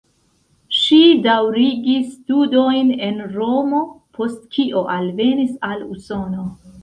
Ŝi daŭrigis studojn en Romo, post kio alvenis al Usono.